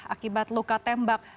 akibat luka tembak